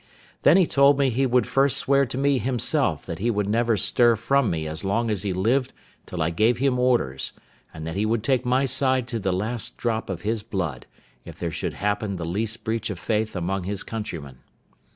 Then he told me he would first swear to me himself that he would never stir from me as long as he lived till I gave him orders; and that he would take my side to the last drop of his blood, if there should happen the least breach of faith among his countrymen.